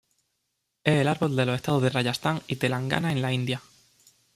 Es el árbol de los estados de Rayastán y Telangana en la India.